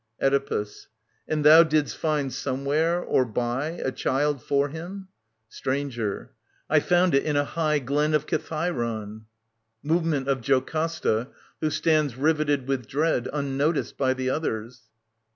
Oedipus. And thou didst find somewhere — or buy — A child for him ? Stranger. I found it in a high Glen of Kithairon. [Movement of Jocasta, who standi riveted \ with dread^ unnoticed by the others.